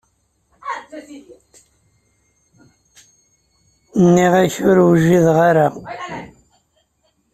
Nniɣ-ak ur wjideɣ ara.